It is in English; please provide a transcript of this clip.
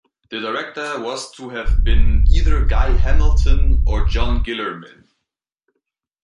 The director was to have been either Guy Hamilton or John Guillermin.